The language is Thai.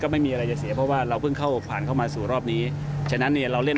ไม่เล่นเกมรับนะครับ